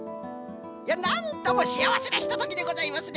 いやなんともしあわせなひとときでございますね